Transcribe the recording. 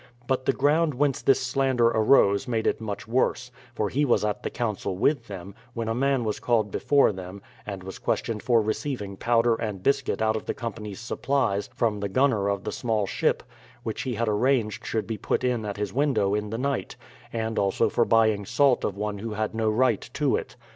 But the ground whence this slander arose made it much worse; for he was at the council with them, when a man was called before them, and was questioned for receiving powder and biscuit out of the company's supplies from the gunner of the small ship, which he had arranged should be put in at his window in the night; and also for buying salt of one who had no right to it.